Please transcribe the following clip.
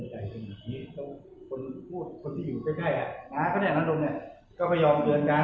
งานก็ได้นั่นแล้วอย่างนั้นดูก็ไปยอมเตือนกัน